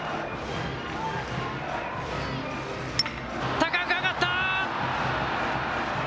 高く上がった。